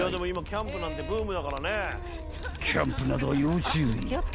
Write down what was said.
［キャンプなどは要注意］